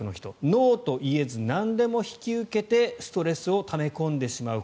ノーと言えずなんでも引き受けてストレスをため込んでしまう。